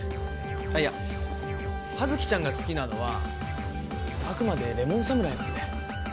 あいや羽月ちゃんが好きなのはあくまでレモン侍なんで。